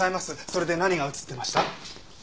それで何が映ってました？